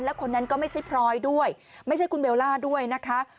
แล้วคนนั้นก็ไม่ใช่พรอยด้วยไม่ใช่คุณเบลล่าด้วยนะคะ